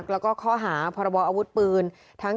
และข้อหาพระบาทอาวุธปืน